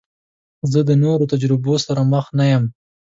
زه د نوو تجربو سره مخ نه یم.